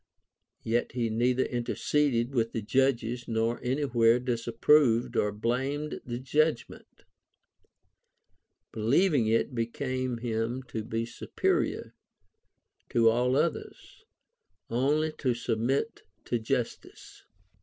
Yet he neither interceded with the judges nor anywhere disapproved or blamed the judg 494 OF THE FORTUNE OR VIRTUE ment ; believing it became him to be superior to all others, only to submit to justice.